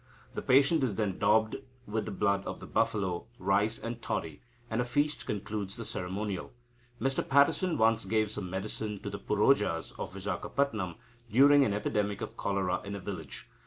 The patient is then daubed with the blood of the buffalo, rice, and toddy, and a feast concludes the ceremonial. Mr Paddison once gave some medicine to the Porojas of Vizagapatam during an epidemic of cholera in a village.